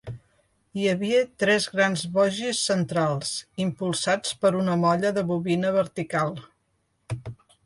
Hi havia tres grans bogis centrals, impulsats per una molla de bobina vertical.